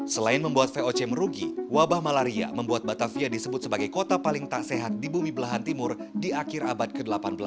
selain membuat voc merugi wabah malaria membuat batavia disebut sebagai kota paling tak sehat di bumi belahan timur di akhir abad ke delapan belas